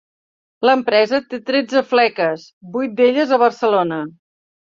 L'empresa té tretze fleques, vuit d'elles a Barcelona.